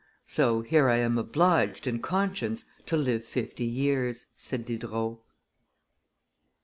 "So here I am obliged, in conscience, to live fifty years," said Diderot.